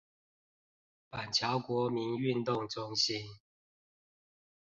板橋國民運動中心